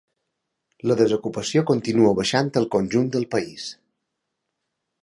La desocupació continua baixant al conjunt del país.